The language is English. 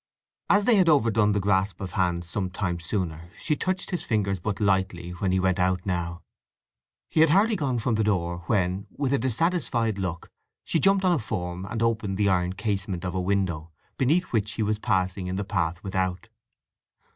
As they had overdone the grasp of hands some time sooner, she touched his fingers but lightly when he went out now. He had hardly gone from the door when, with a dissatisfied look, she jumped on a form and opened the iron casement of a window beneath which he was passing in the path without.